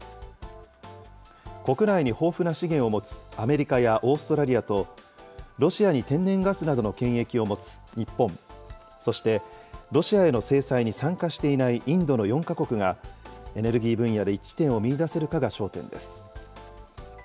国内に豊富な資源を持つアメリカやオーストラリアと、ロシアに天然ガスなどの権益を持つ日本、そしてロシアへの制裁に参加していないインドの４か国が、エネルギー分野で一致点を見いだせるかが焦点です。